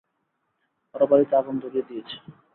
ওরা বাড়িতে আগুন ধরিয়ে দিয়েছে।